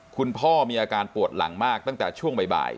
คุณพ่อมีอาการปวดหลังมากตั้งแต่ช่วงบ่าย